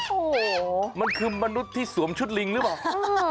โอ้โหมันคือมนุษย์ที่สวมชุดลิงหรือเปล่า